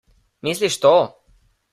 Misliš to?